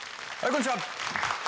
こんにちは。